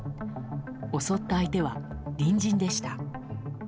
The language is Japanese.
襲った相手は隣人でした。